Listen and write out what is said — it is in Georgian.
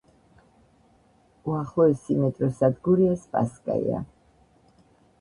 უახლოესი მეტროსადგურია „სპასკაია“.